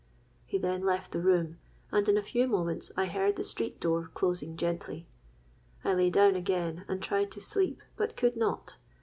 He then left the room, and in a few moments I heard the street door closing gently. I lay down again and tried to sleep, but could not.